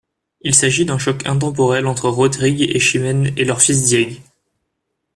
Il s'agit d'un choc intemporel entre Rodrigue et Chimène et leur fils Diègue.